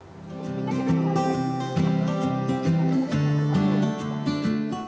kepada pembangunan pembangunan